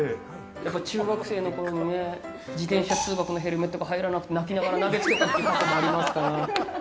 中学生の頃に自転車通学のヘルメットが入らなくて、泣きながら投げつけたという過去もありますから。